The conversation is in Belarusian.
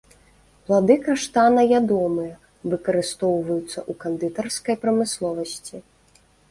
Плады каштана ядомыя, выкарыстоўваюцца ў кандытарскай прамысловасці.